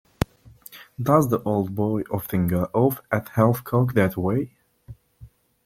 Does the old boy often go off at half-cock that way.